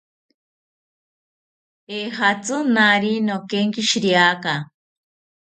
Ejatzi naari nokenkishiriaka